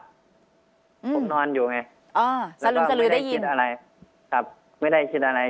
ผมนอนอยู่ไงแล้วก็ไม่ได้คิดอะไรครับไม่ได้คิดอะไร